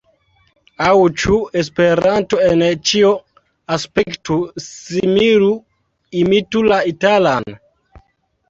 Aŭ ĉu Esperanto en ĉio aspektu, similu, imitu la italan?